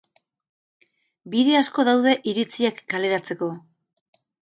Bide asko daude iritziak kaleratzeko.